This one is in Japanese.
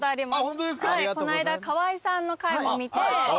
こないだ川合さんの回も見て。